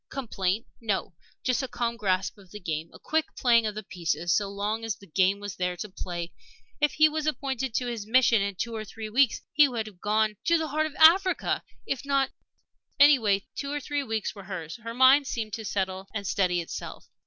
Complaint? No! Just a calm grasp of the game a quick playing of the pieces so long as the game was there to play. If he was appointed to this mission, in two or three weeks he would be gone to the heart of Africa. If not Anyway, two or three weeks were hers. Her mind seemed to settle and steady itself.